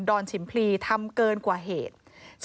อนฉิมพลีทำเกินกว่าเหตุ